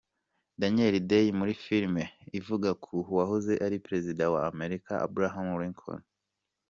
Daniel Day muri filime ivuga ku wahoze ari perezida wa Amerika Abraham Lincoln.